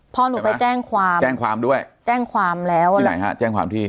พอหนูไปแจ้งความด้วยที่ไหนฮะแจ้งความที่